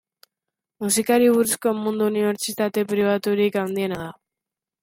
Musikari buruzko munduko unibertsitate pribaturik handiena da.